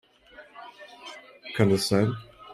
Kann das sein?